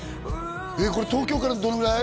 これ東京からどのぐらい？